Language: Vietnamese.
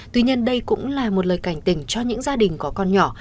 tuy nhiên đây cũng là một lời cảnh tỉnh cho những gia đình có con nhỏ